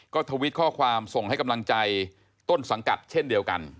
ก็ทวิตข้อความส่งให้กำลังใจต้นสังกัดเช่นเดียวกัน